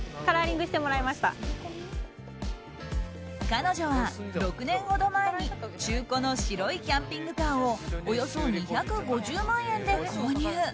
彼女は６年ほど前に中古の白いキャンピングカーをおよそ２５０万円で購入。